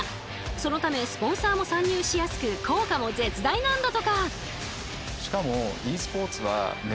そのためスポンサーも参入しやすく効果も絶大なんだとか。